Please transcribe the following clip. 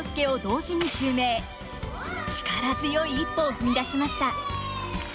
力強い一歩を踏み出しました。